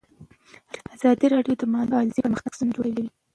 ازادي راډیو د مالي پالیسي پرمختګ سنجولی.